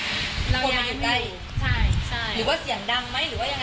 หรือว่าเสียงดังไหมหรือว่ายังไง